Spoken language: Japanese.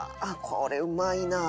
これうまいな。